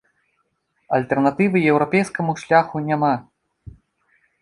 Альтэрнатывы еўрапейскаму шляху няма.